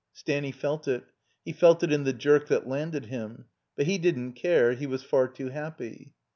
Stanny felt it; he felt it in the jerk that landed him; but he didn't care, he was far too happy.